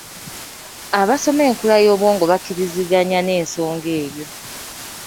Abasoma enkula y’obwongo bakkiriziganya n’ensonga eyo.